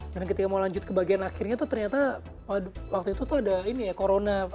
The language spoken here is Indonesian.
dan ketika mau lanjut ke bagian akhirnya tuh ternyata waktu itu tuh ada ini ya corona